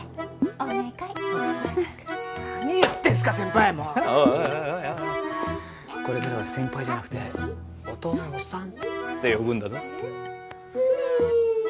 おいこれからは先輩じゃなくてお父さんって呼ぶんだぞ。